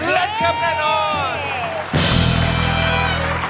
เล่นครับแทนนอน